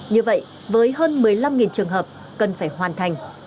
như vậy với hơn một mươi năm trường hợp cần phải hoàn thành